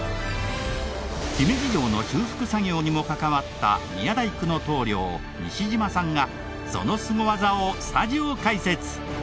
姫路城の修復作業にも関わった宮大工の棟梁西嶋さんがそのスゴ技をスタジオ解説！